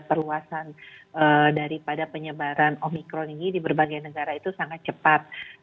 perluasan daripada penyebaran omikron ini di berbagai negara itu sangat cepat